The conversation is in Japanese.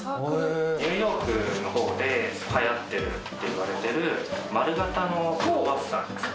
ニューヨークのほうではやってるっていわれてる、丸型のクロワッサンです。